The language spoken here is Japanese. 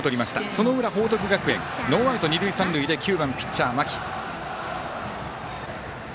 その裏、報徳学園ノーアウト、二塁三塁で９番、ピッチャー、間木。